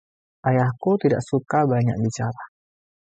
Ayahku tidak suka banyak bicara.